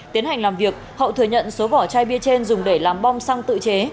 tiến hành làm việc hậu thừa nhận số vỏ chai bia trên dùng để làm bong xăng tự chế